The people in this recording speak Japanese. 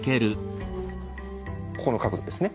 この角度ですね。